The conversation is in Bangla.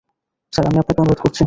স্যার, আমি আপনাকে অনুরোধ করছি।